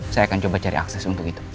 saya akan coba cari akses untuk itu